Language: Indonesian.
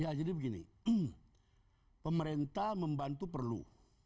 ya jadi begini pemerintah membantu perlu